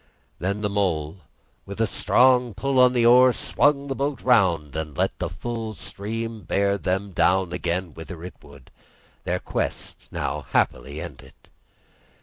Then the Mole, with a strong pull on one oar, swung the boat round and let the full stream bear them down again whither it would, their quest now happily ended.